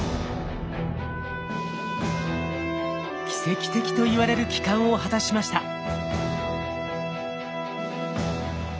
奇跡的といわれる帰還を果たしました。